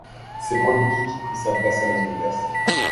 C'est Prodigy qui prit sa place à Las Vegas.